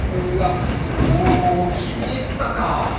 おぉ気に入ったか！